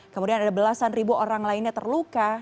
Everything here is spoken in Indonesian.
kemudian ada belasan ribu orang lainnya terluka